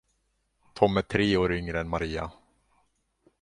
Tom är tre år yngre än Maria.